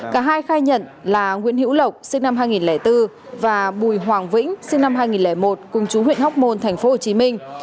cả hai khai nhận là nguyễn hữu lộc sinh năm hai nghìn bốn và bùi hoàng vĩnh sinh năm hai nghìn một cùng chú huyện hóc môn thành phố hồ chí minh